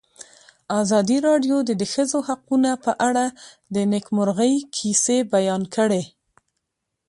ازادي راډیو د د ښځو حقونه په اړه د نېکمرغۍ کیسې بیان کړې.